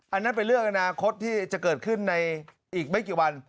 อันนั้นเป็นเรื่องอนาคตที่จะเกิดขึ้นในอีกไม่กี่วัน